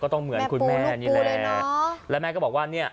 ก็ต้องเหมือนคุณแม่นี่แหละแม่ปูลูกปูเลยเนอะแล้วแม่ก็บอกว่าเนี้ย